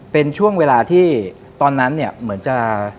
เป็นช่วงเวลาที่ตอนนั้นเนี่ยเหมือนจะ